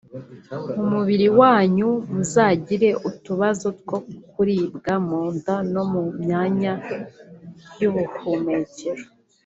Mu mubiri wanyu muzagira utubazo two kuribwa mu nda no mu myanya y’ubuhumekero